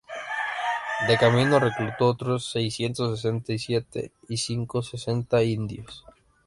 De camino, reclutó otros seiscientos sesenta y siete y ciento sesenta indios.